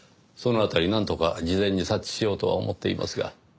その辺りなんとか事前に察知しようとは思っていますが。